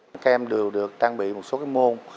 các em đều được trang bị một số môn